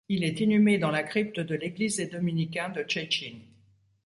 Il est inhumé dans la crypte de l’église des Dominicains de Cieszyn.